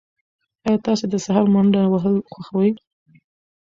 ایا تاسي د سهار منډه وهل خوښوئ؟